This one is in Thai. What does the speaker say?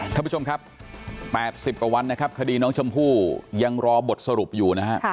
ท่านผู้ชมครับ๘๐กว่าวันนะครับคดีน้องชมพู่ยังรอบทสรุปอยู่นะฮะ